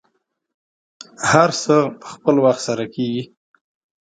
هر څه په خپل وخت سره کیږي.